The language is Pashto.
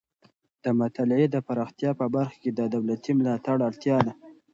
د مطالعې د پراختیا په برخه کې د دولتي ملاتړ اړتیا ده.